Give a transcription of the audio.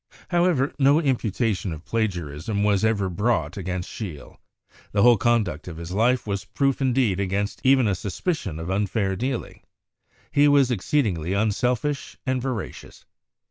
However, no im putation of plagiarism was ever brought against Scheele. The w T hole conduct of his life was proof indeed against even a suspicion of unfair dealing. He was exceedingly unselfish and veracious.